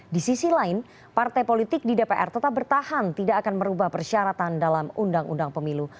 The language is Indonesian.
di sisi lain partai politik di dpr tetap bertahan tidak akan merubah persyaratan dalam undang undang pemilu